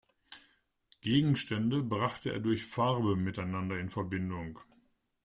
Gegenstände brachte er durch Farbe miteinander in Verbindung.